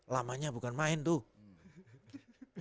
lamanya bukan main tuh